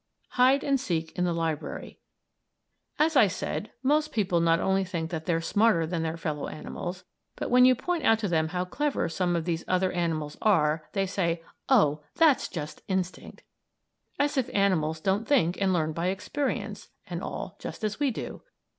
HIDE AND SEEK IN THE LIBRARY As I said, most people not only think that they're smarter than their fellow animals, but when you point out to them how clever some of these other animals are, they say: "Oh, that's just instinct!" As if animals don't think and learn by experience, and all, just as we do!